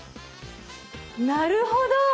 なるほど！